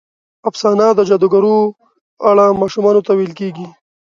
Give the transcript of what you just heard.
افسانه د جادوګرو په اړه ماشومانو ته ویل کېږي.